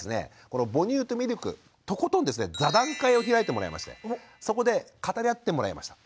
この母乳とミルクとことんですね座談会を開いてもらいましてそこで語り合ってもらいました。